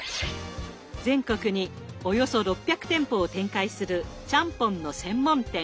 全国におよそ６００店舗を展開するちゃんぽんの専門店。